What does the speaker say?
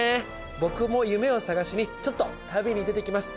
僕も夢を探しにちょっと旅に出てきます。